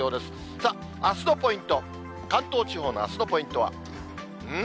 さあ、あすのポイント、関東地方のあすのポイントは、うん？